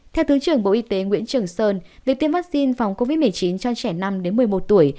theo thứ trưởng bộ y tế nguyễn trường sơn việc tiêm vaccine phòng covid một mươi chín cho trẻ năm một mươi một tuổi